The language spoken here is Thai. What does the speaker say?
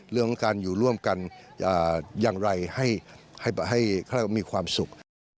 เรื่องของการอยู่ร่วมกันอย่างไรให้มีความสุข